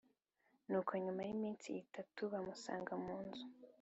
Nuko nyuma y’iminsi itatu bamusanga mu nzu